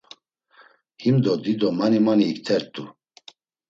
Himdo dido mani mani ikt̆ert̆u.